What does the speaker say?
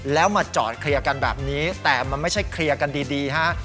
แล้วมาจอดเคลียร์กันแบบนี้แต่มันไม่ใช่เคลียร์กันดีฮะ